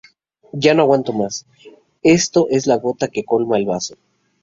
Ya no aguanto más. Esto es la gota que colma el vaso